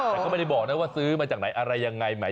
แต่ก็ไม่ได้บอกนะว่าซื้อมาจากไหนอะไรยังไง